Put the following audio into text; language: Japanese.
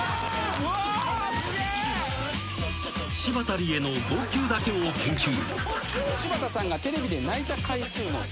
柴田理恵の号泣だけを研究。